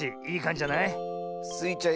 いいかんじじゃない？